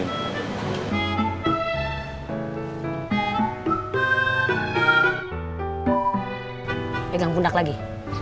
eh jangan pundak lagi